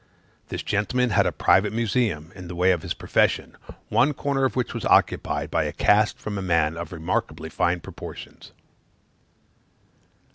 This gentleman had a private museum in the way of his profession, one corner of which was occupied by a cast from a man of remarkably fine proportions.